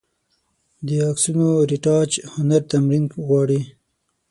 د عکسونو رېټاچ هنر تمرین غواړي.